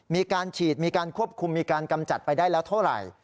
มีการฉีดมีการควบคุมมีการกำจัดไปได้แล้วเท่าไหร่